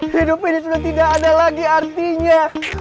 hidup ini sudah tidak ada lagi artinya